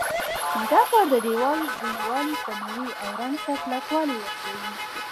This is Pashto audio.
دا کار د دېوال ځیږوالی کموي او رنګ ته کلکوالی ورکوي.